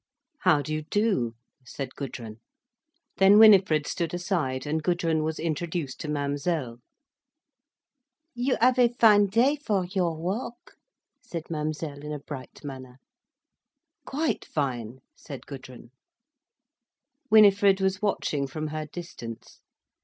"How do you do?" said Gudrun. Then Winifred stood aside, and Gudrun was introduced to Mademoiselle. "You have a fine day for your walk," said Mademoiselle, in a bright manner. "Quite fine," said Gudrun. Winifred was watching from her distance.